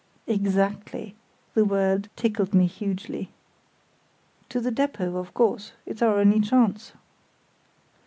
("Exactly!" The word tickled me hugely.) "To the depôt, of course; it's our only chance."